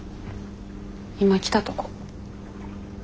今来たとこ。